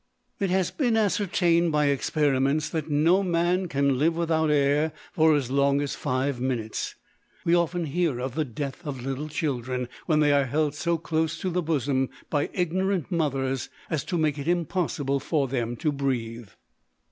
It has been ascertained by experiments that no man can live without air for as long as five minutes. We often hear of the death of little children, when they are held so close to the bosom by ignorant mothers as to make it impossible for them to breathe.